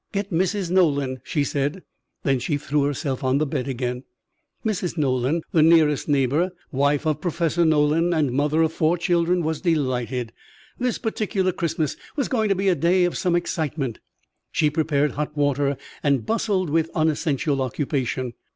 "Get Mrs. Nolan," she said. Then she threw herself on the bed again. Mrs. Nolan, the nearest neighbour, wife of Professor Nolan and mother of four children, was delighted. This particular Christmas was going to be a day of some excitement. She prepared hot water and bustled with unessential occupation.